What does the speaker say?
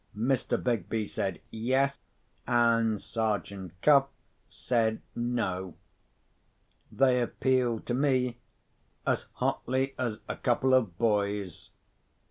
Mr. Begbie said, Yes; and Sergeant Cuff said, No. They appealed to me, as hotly as a couple of boys.